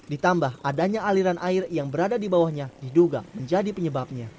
ditambah adanya aliran air yang berada di bawahnya diduga menjadi penyebabnya